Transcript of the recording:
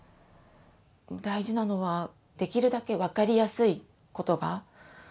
大事なのはできるだけ分かりやすい言葉。